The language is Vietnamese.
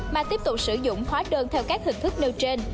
mà tiếp tục sử dụng hóa đơn theo các hình thức nêu trên